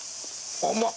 甘っ。